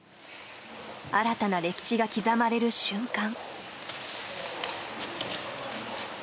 新たな歴史が刻まれる瞬間。